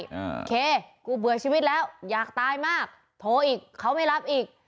โอเคกูเบื่อชีวิตแล้วอยากตายมากโทรอีกเขาไม่รับอีก